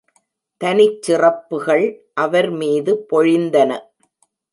தனிச்சிறப்புகள் அவர் மீது பொழிந்தன.